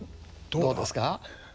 どうですか？